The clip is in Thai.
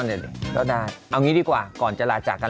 ก็ได้เอางี้ดีกว่าก่อนจะลาจากกัน